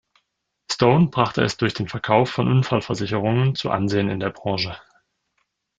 Stone brachte es durch den Verkauf von Unfallversicherungen zu Ansehen in der Branche.